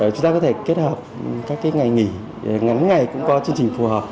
chúng ta có thể kết hợp các ngày nghỉ ngắn ngày cũng có chương trình phù hợp